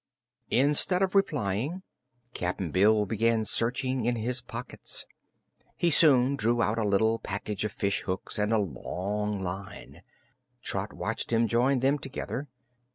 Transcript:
Instead of replying, Cap'n Bill began searching in his pockets. He soon drew out a little package of fish hooks and a long line. Trot watched him join them together.